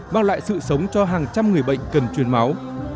mang lại sự sống cho hàng trăm người bệnh cần truyền máu